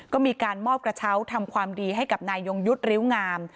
ก็มีการมอบกระเช้าทำความดีให้กับนายยงยุทธ์ริ้วงาม